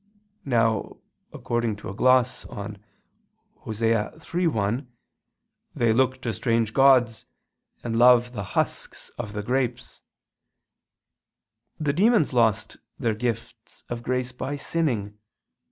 Now, according to a gloss on Osee 3:1, "They look to strange gods, and love the husks of the grapes," the demons lost their gifts of grace by sinning.